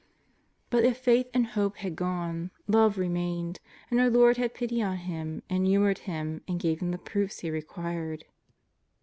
But if faith and hope had gone, love remained, and our Lord had pity on him and humoured him and gave him the proofs he re quired.